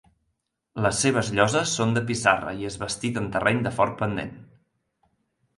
Les seves lloses són de pissarra i és bastit en terreny de fort pendent.